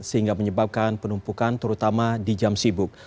sehingga menyebabkan penumpukan terutama di jam sibuk